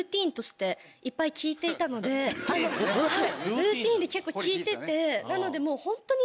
ルーティンで結構聴いてて。